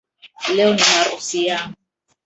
Leo ni harusi yangu